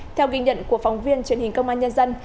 theo ghi nhận của phóng viên truyền hình công an nhân dân